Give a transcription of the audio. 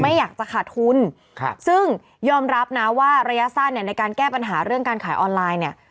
ไม่อยากจะขาดทุนซึ่งยอมรับนะว่าระยะสั้นเนี่ยในการแก้ปัญหาเรื่องการขายออนไลน์เนี่ย